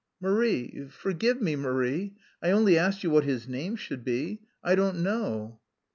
"Marie, forgive me, Marie... I only asked you what his name should be. I don't know...."